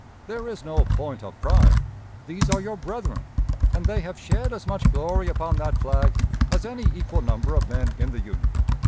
There is no point of pride. These are your brethren; and they have shed as much glory upon that flag as any equal number of men in the Union.